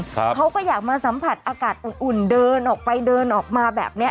เขาก็อยากมาสัมผัสอากาศอุ่นอุ่นเดินออกไปเดินออกมาแบบเนี้ย